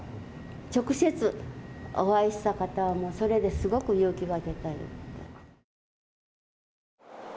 直接お会いした方は、それですごく勇気が出たって。